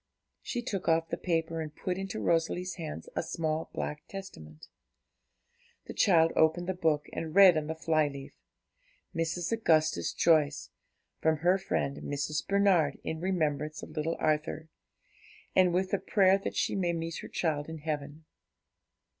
She took off the paper, and put into Rosalie's hands a small black Testament. The child opened the book, and read on the fly leaf, 'Mrs. Augustus Joyce. From her friend Mrs. Bernard, in remembrance of little Arthur, and with the prayer that she may meet her child in heaven.'